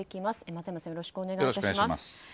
松山さん、よろしくお願いします。